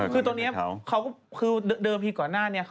คือตรงนี้เขาดังเพียงกว่าหน้าเนี่ย